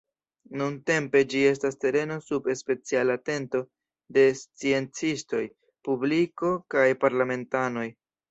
Nuntempe ĝi estas tereno sub speciala atento de sciencistoj, publiko kaj parlamentanoj.